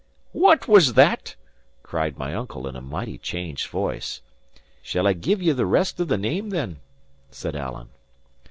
"What was that?" cried my uncle, in a mighty changed voice. "Shall I give ye the rest of the name, then?" said Alan.